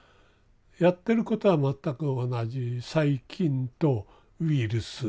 やってることは全く同じ細菌とウイルス。